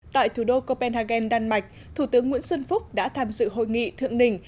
tại thủ đô copenhagen đan mạch thủ tướng nguyễn xuân phúc đã tham dự hội nghị thượng đỉnh